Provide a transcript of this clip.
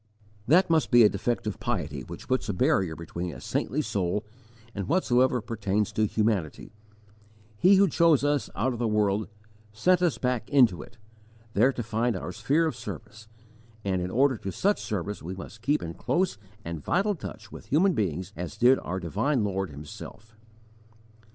That must be a defective piety which puts a barrier between a saintly soul and whatsoever pertains to humanity. He who chose us out of the world sent us back into it, there to find our sphere of service; and in order to such service we must keep in close and vital touch with human beings as did our divine Lord Himself.